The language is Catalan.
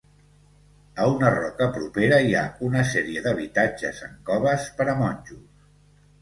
A una roca propera hi ha una sèrie d'habitatges en coves per a monjos.